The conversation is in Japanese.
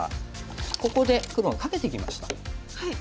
ここで黒がカケてきました。